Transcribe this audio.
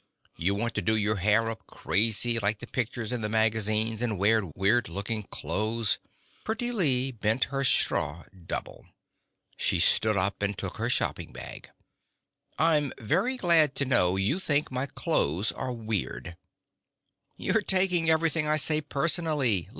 You want to do your hair up crazy like the pictures in the magazines and wear weird looking clothes " Pretty Lee bent her straw double. She stood up and took her shopping bag. "I'm very glad to know you think my clothes are weird " "You're taking everything I say personally.